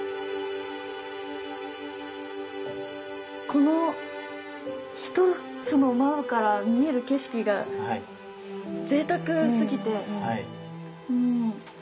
この１つの窓から見える景色がぜいたくすぎて驚きました。